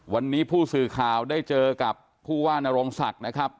วันนี้ผู้สื่อข่าวได้เจอกับผู้ว่านโรงศักดิ์นะครับ